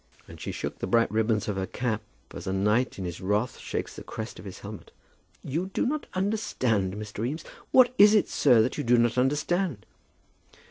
And she shook the bright ribbons of her cap, as a knight in his wrath shakes the crest of his helmet. "You do not understand, Mr. Eames! What is it, sir, that you do not understand?"